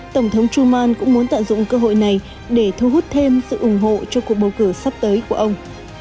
tổng thống truman cũng muốn tận dụng cơ hội này để thu hút thêm sự ủng hộ cho cuộc bầu cử sắp tới của ông